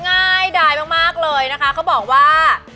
ง่ายให้ได้มากเลยนะคะเขาบอกว่า